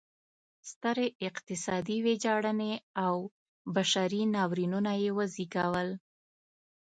سترې اقتصادي ویجاړنې او بشري ناورینونه یې وزېږول.